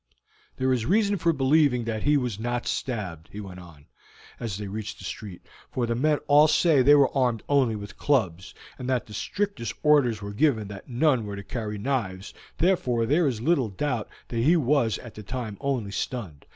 "There is reason for believing that he was not stabbed," he went on, as they reached the street, "for the men all say that they were armed only with clubs, and that the strictest orders were given that none were to carry knives, therefore there is little doubt that he was at the time only stunned.